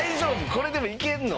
これでもいけるの？